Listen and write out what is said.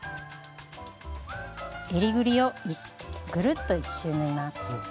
えりぐりをぐるっと１周縫います。